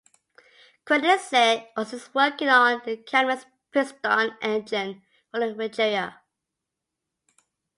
Koenigsegg also is working on a camless piston engine for the Regera.